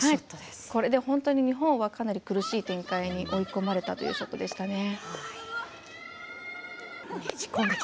これで本当に日本はかなり難しい展開に追い込まれたというショットでしたね。